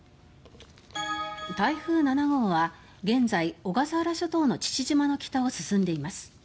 台風７号は現在小笠原諸島の父島の北を進んでいます。